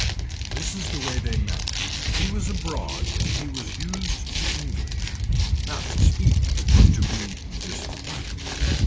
This is the way they met. He was abroad and he was used to English. Not to speak but to be disappointed.